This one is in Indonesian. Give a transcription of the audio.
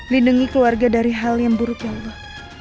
lindungi keluarga dari hal yang buruk ya allah